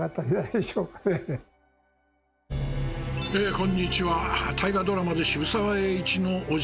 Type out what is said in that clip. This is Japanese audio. こんにちは大河ドラマで渋沢栄一の伯父